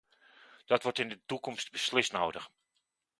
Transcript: Dat wordt in de toekomst beslist nodig.